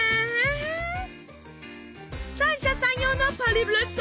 三者三様のパリブレスト。